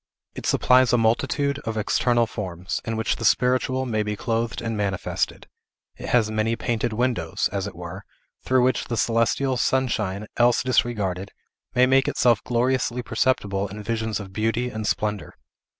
It supplies a multitude of external forms, in which the spiritual may be clothed and manifested; it has many painted windows, as it were, through which the celestial sunshine, else disregarded, may make itself gloriously perceptible in visions of beauty and splendor.